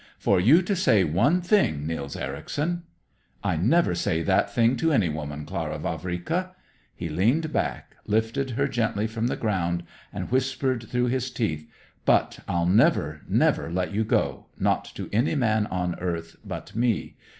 "For you to say one thing, Nils Ericson." "I never say that thing to any woman, Clara Vavrika." He leaned back, lifted her gently from the ground, and whispered through his teeth: "But I'll never, never let you go, not to any man on earth but me!